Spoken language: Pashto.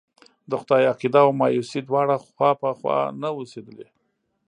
د خدای عقيده او مايوسي دواړه خوا په خوا نه اوسېدلی.